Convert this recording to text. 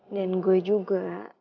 dan gue juga